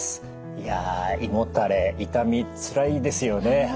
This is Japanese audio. いや胃もたれ痛みつらいですよね。